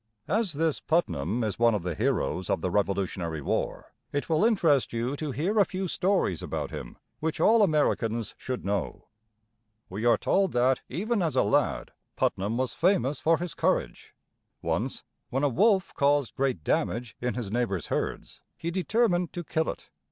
As this Putnam is one of the heroes of the Revolutionary War, it will interest you to hear a few stories about him, which all Americans should know. We are told that, even as a lad, Putnam was famous for his courage. Once, when a wolf caused great damage in his neighbors' herds, he determined to kill it.